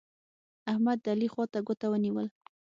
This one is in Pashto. احمد؛ د علي خوا ته ګوته ونيول.